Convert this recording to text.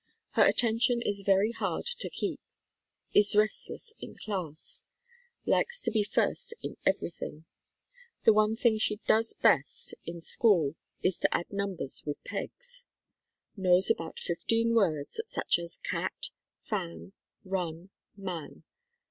Her attention is very hard to keep. Is restless in class. Likes to be first in everything. The one thing she does best in school is to add numbers with pegs. Knows about fifteen words, such as "cat," "fan," "run,""man."